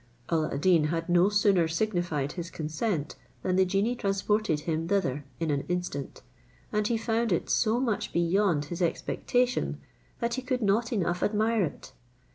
Alla ad Deen had no sooner signified his consent, than the genie transported him thither in an instant, and he found it so much beyond his expectation, that he could not enough admire it.